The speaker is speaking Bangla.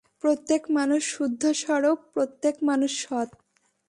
প্রত্যেক মানুষ শুদ্ধস্বরূপ, প্রত্যেক মানুষ সৎ।